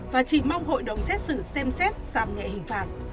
và chỉ mong hội đồng xét xử xem xét giảm nhẹ hình phạt